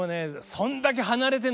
そんだけ離れてんのね